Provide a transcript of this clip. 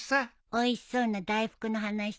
おいしそうな大福の話とか？